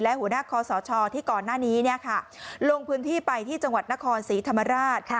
และหัวหน้าคอสชที่ก่อนหน้านี้ลงพื้นที่ไปที่จังหวัดนครศรีธรรมราช